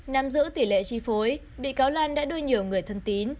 nằm giữ tỷ lệ tri phối bị cáo lan đã đôi nhiều người thân tín